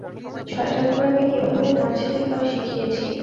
ছয়টা ঘোড়া কে কিভাবে নাচতে হয় শিখিয়েছি।